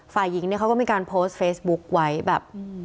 ฝ่ายหญิงเนี่ยเขาก็มีการโพสต์เฟซบุ๊คไว้แบบ